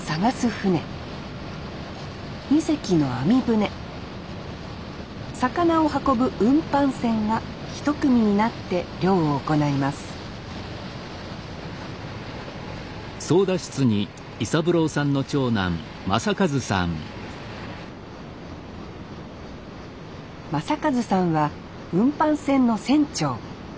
船２隻の網船魚を運ぶ運搬船が一組になって漁を行います将和さんは運搬船の船長。